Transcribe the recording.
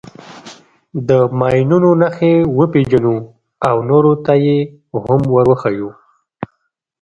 د ماینونو نښې وپېژنو او نورو ته یې هم ور وښیو.